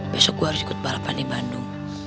besok gue harus ikut balapan di bandung